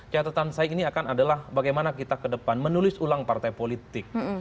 catatan saya ini akan adalah bagaimana kita ke depan menulis ulang partai politik